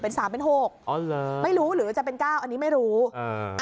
เป็นสามเป็นหกอ๋อเหรอไม่รู้หรือว่าจะเป็นเก้าอันนี้ไม่รู้อ่า